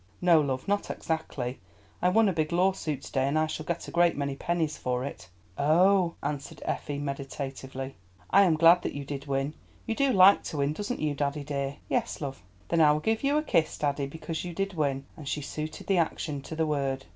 "No, love, not exactly. I won a big lawsuit to day, and I shall get a great many pennies for it." "Oh," answered Effie meditatively, "I am glad that you did win. You do like to win, doesn't you, daddy, dear." "Yes, love." "Then I will give you a kiss, daddy, because you did win," and she suited the action to the word.